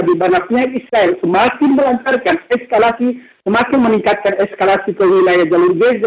di mana pihak israel semakin melancarkan eskalasi semakin meningkatkan eskalasi ke wilayah jalur gaza